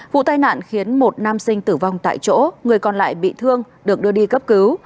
vụ tai nạn khiến một nam sinh tử vong tại chỗ người còn lại bị thương được đưa đi cấp cứu